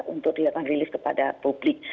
untuk di release kepada publik